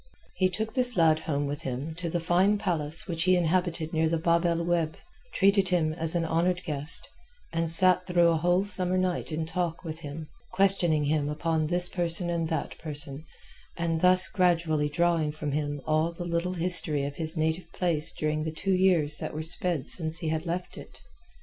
He took this lad home with him to the fine palace which he inhabited near the Bab el Oueb, treated him as an honoured guest, and sat through a whole summer night in talk with him, questioning him upon this person and that person, and thus gradually drawing from him all the little history of his native place during the two years that were sped since he had left it.